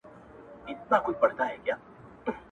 جرسونه به شرنګیږي د وطن پر لویو لارو!